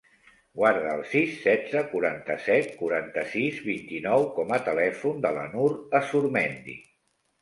Guarda el sis, setze, quaranta-set, quaranta-sis, vint-i-nou com a telèfon de la Nur Azurmendi.